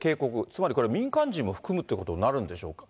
つまりこれは民間人も含むということになるんでしょうか。